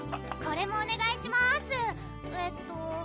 これもおねがいしますえっと